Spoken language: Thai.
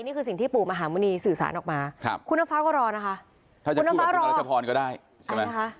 นี่คือสิ่งที่ปู่มหามูนีสื่อสารออกมาครับคุณฟ้าก็รอนะคะคุณฟ้ารอถ้าจะพูดแบบคุณอรัชพรก็ได้ใช่ไหมอ่าใช่ไหม